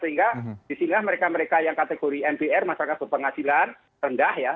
sehingga disinilah mereka mereka yang kategori mbr masyarakat berpenghasilan rendah ya